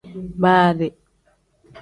Baadi.